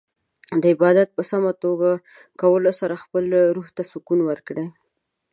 د عبادت په سمه توګه کولو سره خپل روح ته سکون ورکړئ.